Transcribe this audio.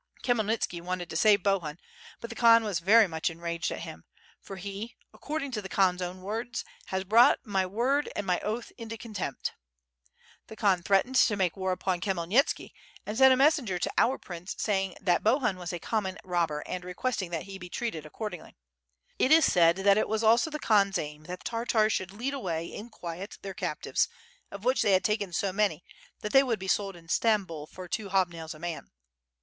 Khymelnitski wanted to save Bohun, but the Khan w«s very much enraged at him, for he, according to the K'han's own words, ^has brought my word and my oath into contempt.' The Khan threatened WITH FIRE AND SWORD. gj, to make war upon Khmyelnitski and sent a messenger to our prince saying that Bohun was a common robber and re questing that he be treated accordingly. It is said that it was also the Khan*s aim that the Tartars should lead away in quiet their captives, of which they had taken so many that they would be sold in Stambul for two hobnails a m an."